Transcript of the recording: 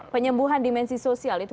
penyembuhan dimensi sosial itu